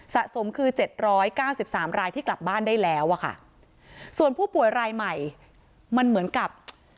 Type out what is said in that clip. สะสมคือ๗๙๓รายที่กลับบ้านได้แล้วอะค่ะส่วนผู้ป่วยรายใหม่มันเหมือนกับ